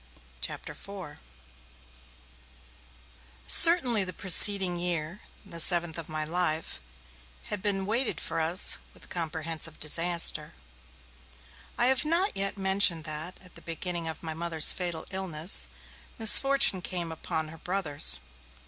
CHAPTER IV CERTAINLY the preceding year, the seventh of my life, had been weighted for us with comprehensive disaster. I have not yet mentioned that, at the beginning of my Mother's fatal illness, misfortune came upon her brothers.